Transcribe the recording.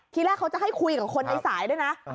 ทีแรกเขาจะให้คุยกับคนในสายด้วยนะ